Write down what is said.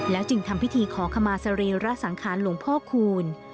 จึงทำพิธีขอขมาสรีระสังขารหลวงพ่อคูณ